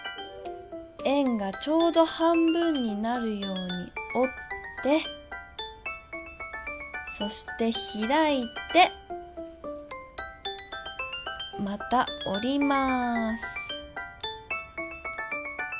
円がちょうど半分になるようにおってそしてひらいてまたおります。